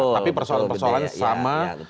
tapi persoalan persoalan sama